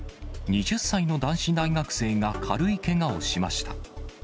２０歳の男子大学生が軽いけがをしました。